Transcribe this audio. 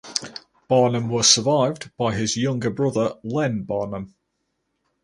Barnum was survived by his younger brother Len Barnum.